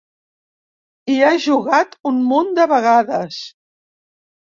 Hi he jugat un munt de vegades.